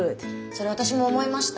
それ私も思いました。